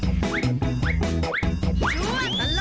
ช่วงตลอดตลาด